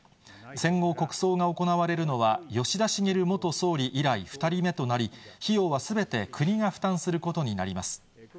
戦後、国葬が行われるのは、吉田茂元総理以来２人目となり、費用はすべて国が負担することになります。